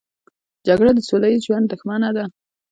جګړه د سوله ییز ژوند دښمنه ده